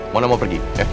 mona mau pergi